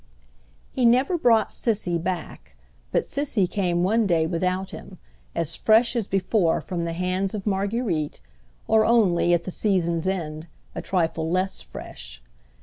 He never brought Cissy back, but Cissy came one day without him, as fresh as before from the hands of Marguerite, or only, at the season's end, a trifle less fresh.